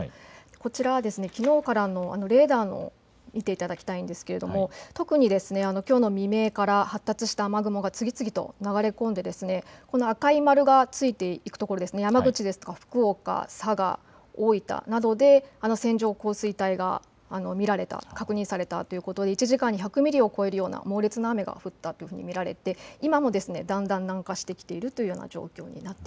こちらはきのうからのレーダーを見ていただきたいんですけれども特にきょうの未明から発達した雨雲が次々と流れ込んで赤い丸がついているところ、山口、福岡、佐賀、大分などで線状降水帯が見られた、確認されたということで１時間に１００ミリを超えるような猛烈な雨が降ったと見られて今もだんだん南下してきているという状況です。